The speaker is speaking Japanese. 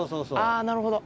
あぁなるほど。